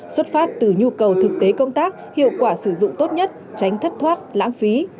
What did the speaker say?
xuất phát từ nhu cầu thực tế công tác hiệu quả sử dụng tốt nhất tránh thất thoát lãng phí